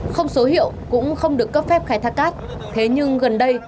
không số hiệu cũng không được cấp phép khai thác cát thế nhưng gần đây